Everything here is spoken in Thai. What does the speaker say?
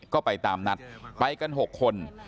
ก็ไปตามนัดไปกัน๖คน